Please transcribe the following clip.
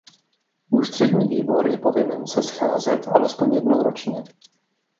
Ústřední výbor je povinen se scházet alespoň jednou ročně.